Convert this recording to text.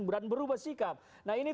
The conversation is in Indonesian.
dan berubah sikap nah ini